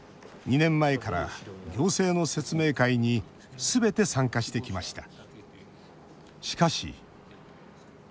２年前から行政の説明会にすべて参加してきました。